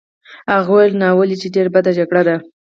هغه وویل: ناولې! چې ډېره بده جګړه ده.